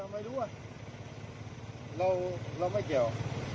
ไม่รู้ว่าเราไม่เกี่ยว